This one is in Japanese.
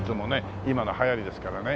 今の流行りですからね。